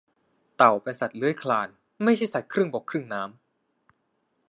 เต่าเป็นสัตว์เลื้อยคลานไม่ใช่สัตว์ครึ่งบกครึ่งน้ำ